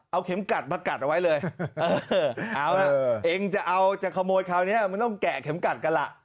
เอาเข็มกัดมากัดเอาไว้เลยเอาเองจะเอาจะขโมยคราวนี้มันต้องแกะเข็มกัดกันล่ะ